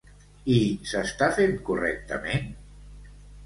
I s'està fent correctament?